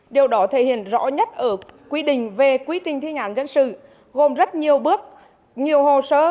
điều đó thể hiện rõ nhất ở quy định về quy trình thi hành án dân sự gồm rất nhiều bước nhiều hồ sơ